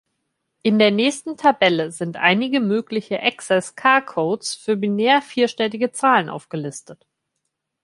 In der nächsten Tabelle sind einige mögliche Exzess-k-Codes für binär vierstellige Zahlen aufgelistet.